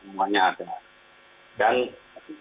dijawabkan abad darat tidak akan hasil